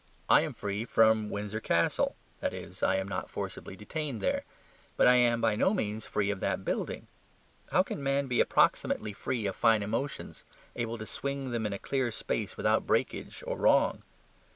I am free from Windsor Castle (that is, I am not forcibly detained there), but I am by no means free of that building. How can man be approximately free of fine emotions, able to swing them in a clear space without breakage or wrong?